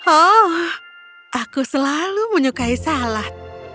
oh aku selalu menyukai salad